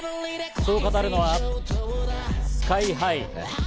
そう語るのはＳＫＹ−ＨＩ。